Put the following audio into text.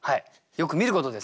よく見ることですね。